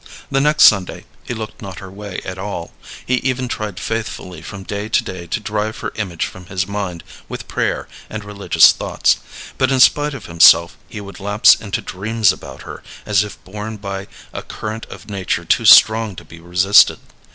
The next Sunday he looked not her way at all. He even tried faithfully from day to day to drive her image from his mind with prayer and religious thoughts, but in spite of himself he would lapse into dreams about her, as if borne by a current of nature too strong to be resisted.